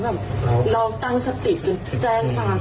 อยากลองตั้งสถาพธิตจากมาจิทธิ์